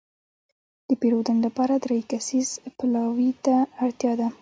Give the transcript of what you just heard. د پېرودنې لپاره دری کسیز پلاوي ته اړتياده.